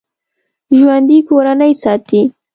ژوندي کورنۍ ساتي